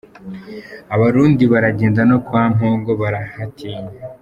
Abarundi baragenda no kwa Mpongo barahatinya.